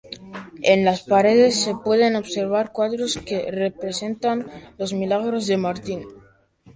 En las paredes se pueden observar cuadros que representan los milagros de Martín.